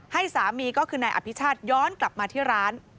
ให้สามีก็คือนายอภิชาติย้อนกลับมาที่ร้าน